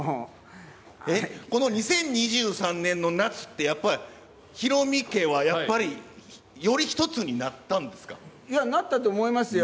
この２０２３年の夏ってやっぱり、ヒロミ家はやっぱり、いや、なったと思いますよ。